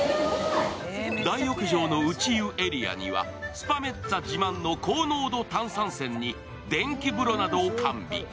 大浴場の内湯エリアにはスパメッツァ自慢の高濃度炭酸泉に電気風呂などを完備。